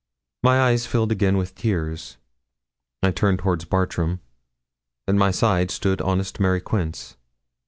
My eyes filled again with tears. I turned towards Bartram. At my side stood honest Mary Quince.